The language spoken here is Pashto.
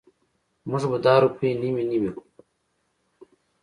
مونږ به دا روپۍ نیمې نیمې کړو.